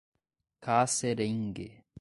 Casserengue